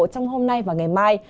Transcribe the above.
trong hôm nay và ngày mai